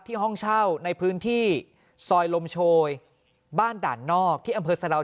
ห้องเช่าในพื้นที่ซอยลมโชยบ้านด่านนอกที่อำเภอสะดาว